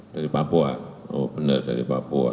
dari papua oh benar dari papua